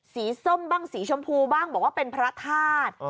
ส้มบ้างสีชมพูบ้างบอกว่าเป็นพระธาตุ